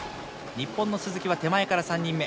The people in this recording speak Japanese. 日本の鈴木は手前から３人目。